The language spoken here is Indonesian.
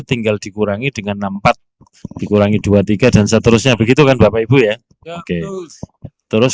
tinggal dikurangi dengan enam puluh empat dikurangi dua tiga dan seterusnya begitu kan bapak ibu ya oke terus